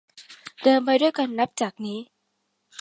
เดินไปด้วยกันนับจากนี้